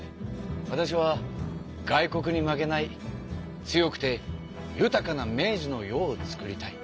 わたしは外国に負けない強くて豊かな明治の世をつくりたい。